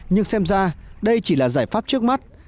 nhưng xem ra đây chỉ là giải pháp trước mắt